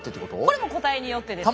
これも個体によってです。